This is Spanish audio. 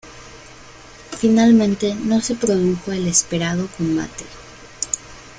Finalmente no se produjo el esperado combate.